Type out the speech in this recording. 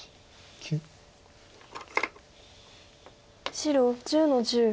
白１０の十。